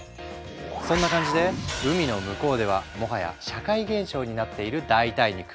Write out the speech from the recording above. そんな感じで海の向こうではもはや社会現象になっている代替肉。